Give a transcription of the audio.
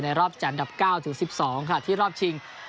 รอบจัดอันดับ๙ถึง๑๒ค่ะที่รอบชิง